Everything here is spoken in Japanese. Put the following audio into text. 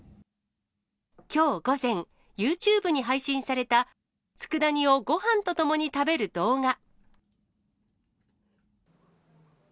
きょう午前、ユーチューブに配信されたつくだ煮をごはんとともに食べる動画。